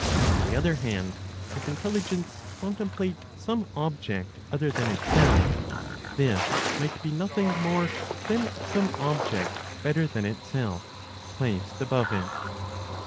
On the other hand, if intelligence contemplate some object other than itself, this might be nothing more than some object better than itself, placed above it.